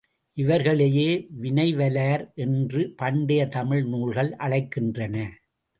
இவர்களையே வினைவலார் என்று பண்டைய தமிழ் நூல்கள் அழைக்கின்றன.